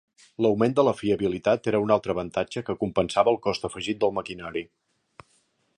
L'augment de la fiabilitat era un altre avantatge que compensava el cost afegit del maquinari.